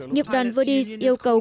nghiệp đoàn verdi yêu cầu